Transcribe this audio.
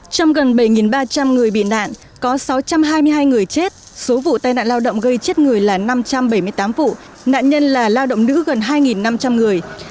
trong gần bảy ba trăm linh người bị nạn có sáu trăm hai mươi hai người chết số vụ tai nạn lao động gây chết người là năm trăm bảy mươi tám vụ nạn nhân là lao động nữ gần hai năm trăm linh người